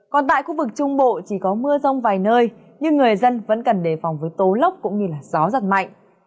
còn tại khu vực trung bộ chỉ có mưa rông vài nơi nhưng người dân vẫn cần đề phòng với tố lốc cũng như gió giật mạnh